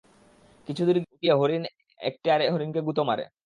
কিছুদূর গিয়ে একটি হরিণ আরেকটি হরিণকে গুতো মারে।